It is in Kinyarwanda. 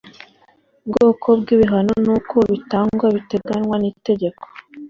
Ubwoko bw ibihano n uko bitangwa biteganwa nitegeko